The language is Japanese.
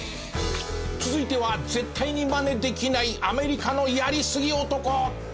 続いては絶対にマネできないアメリカのやりすぎ男！